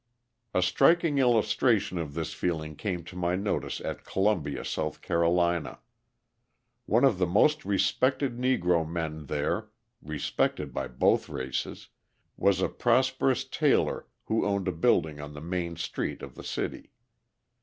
A striking illustration of this feeling came to my notice at Columbia, South Carolina. One of the most respected Negro men there respected by both races was a prosperous tailor who owned a building on the main street of the city.